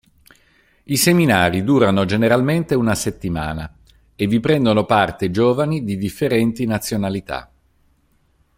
I seminari durano generalmente una settimana, e vi prendono parte giovani di differenti nazionalità.